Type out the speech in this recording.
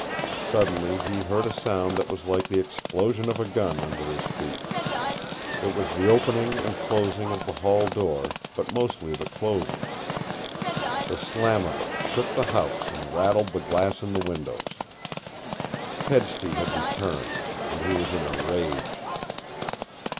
Suddenly he heard a sound that was like the explosion of a gun under his feet. It was the opening and closing of the hall door but mostly the closing. The slam of it shook the house and rattled the glass in the windows. Kedsty had returned, and he was in a rage.